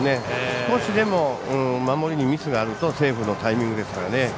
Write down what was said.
少しでも守りにミスがあるとセーフのタイミングですから。